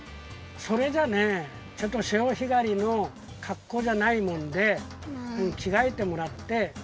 それじゃねちょっと潮干狩りのかっこうじゃないもんできがえてもらって。